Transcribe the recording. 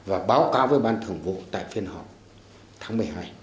và báo cáo với ban thường vụ tại phiên họp tháng một mươi hai